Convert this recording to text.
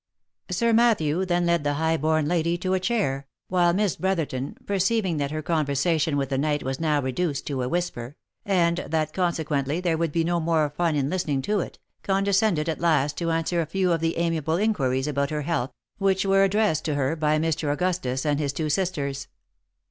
Sir Matthew than led the high born lady to a chair, while Miss Brotherton perceiving that her conversation with the knight was now reduced to a whisper, and that consequently there would be no more fun in listening to it, condescended at last to answer a few of the amiable inquiries after her health, which were addressed to her by Mr. Augustus and his two sisters.